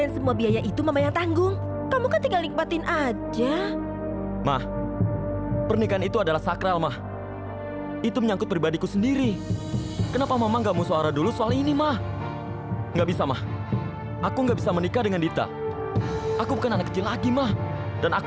sampai jumpa di video selanjutnya